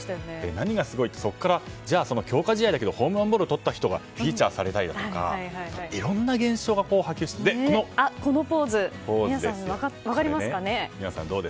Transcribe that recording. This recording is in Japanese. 何がすごいって強化試合だけどホームランボールをとった人がフィーチャーされたりとかそれで、このポーズ、皆さん分かりますかね？